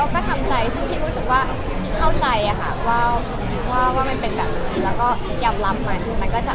ก็ทำใจซึ่งพี่รู้สึกว่าเข้าใจค่ะว่ามันเป็นแบบนั้นแล้วก็ยอมรับมันคือมันก็จะ